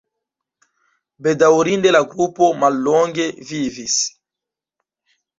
Bedaŭrinde la grupo mallonge vivis.